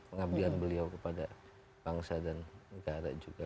pengabdian beliau kepada bangsa dan negara juga